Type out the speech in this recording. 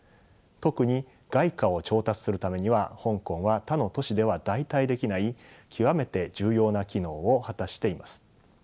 特に外貨を調達するためには香港は他の都市では代替できない極めて重要な機能を果たしています。